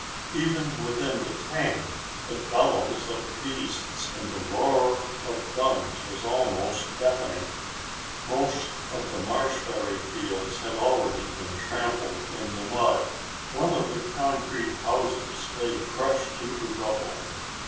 Even within the tank the bellows of the beasts and the roar of guns was almost deafening. Most of the marshberry fields had already been trampled in the mud. One of the concrete houses lay crushed into rubble.